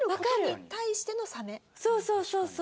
そうそうそうそう。